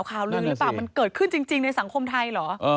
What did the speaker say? ข่าวลือหรือเปล่ามันเกิดขึ้นจริงในสังคมไทยเหรอ